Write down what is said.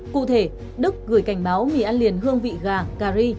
cụ thể đức gửi cảnh báo mì ăn liền hương vị gà ri